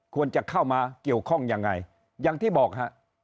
ควรจะเข้ามาเกี่ยวข้องยังไงอย่างที่บอกฮะ